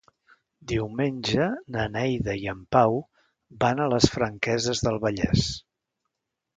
Diumenge na Neida i en Pau van a les Franqueses del Vallès.